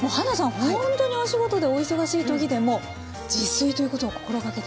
ほんとにお仕事でお忙しい時でも自炊ということを心がけてらっしゃる。